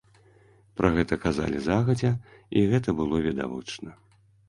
Пра гэта казалі загадзя і гэта было відавочна.